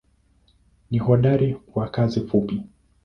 Ni hodari kwa kazi fupi.